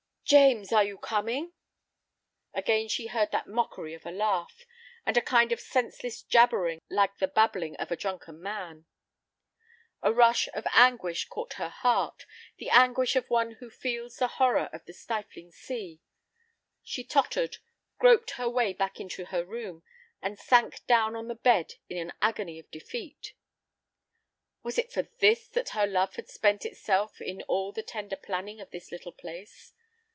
"James, are you coming?" Again she heard that mockery of a laugh, and a kind of senseless jabbering like the babbling of a drunken man. A rush of anguish caught her heart, the anguish of one who feels the horror of the stifling sea. She tottered, groped her way back into her room, and sank down on the bed in an agony of defeat. Was it for this that her love had spent itself in all the tender planning of this little place?